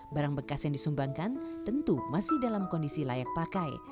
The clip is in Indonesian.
barang bekas yang disumbangkan tentu masih dalam kondisi layak pakai